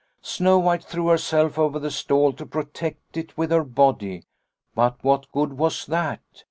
" Snow White threw herself over the stall to protect it with her body. But what good was that